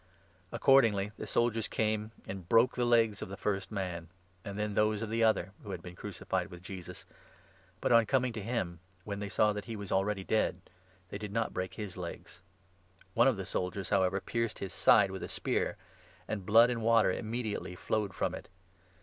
Accordingly the soldiers 32 came and broke the legs of the first man, and then those of the other who had been crucified with Jesus ; but, on coming 33 to him, when they saw that he was already dead, they did not break his legs. One of the soldiers, however, pierced his 34 side with a spear, and blood and water immediately flowed from it.